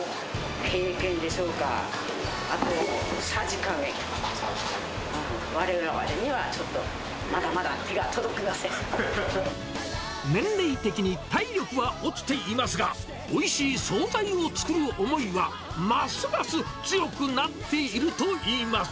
経験でしょうか、あとさじ加減、われわれにはちょっと、年齢的に体力は落ちていますが、おいしい総菜を作る思いは、ますます強くなっているといいます。